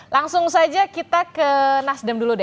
langsung saja kita ke nasdem dulu deh